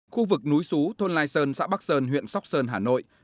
khu vực núi xú thôn lai sơn xã bắc sơn huyện sóc sơn hà nội